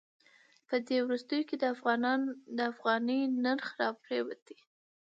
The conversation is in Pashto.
په دې وروستیو کې د افغانۍ نرخ راپریوتی.